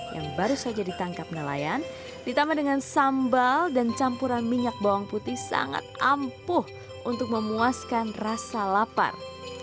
yang baru saja ditangkap nelayan ditambah dengan sambal dan campuran minyak bawang putih sangat ampuh untuk memuaskan rasa lapar